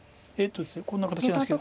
こんな形じゃないですけど。